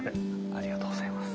ありがとうございます。